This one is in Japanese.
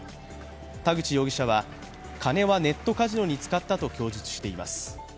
田口容疑者は、金はネットカジノに使ったと供述しています。